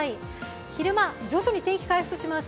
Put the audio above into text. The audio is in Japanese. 昼間、徐々に天気回復します。